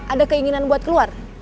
ada keinginan buat keluar